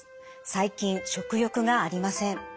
最近食欲がありません。